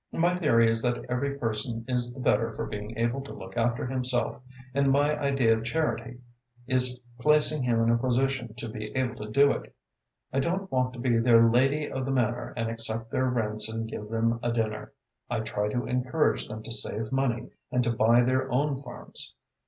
My theory is that every person is the better for being able to look after himself, and my idea of charity is placing him in a position to be able to do it. I don't want to be their Lady of the Manor and accept their rents and give them a dinner. I try to encourage them to save money and to buy their own farms.